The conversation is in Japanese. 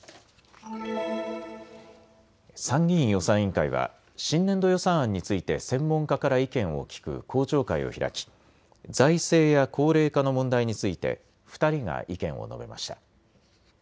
参議院予算委員会は新年度予算案について専門家から意見を聞く公聴会を開き財政や高齢化の問題について２人が意見を述べました。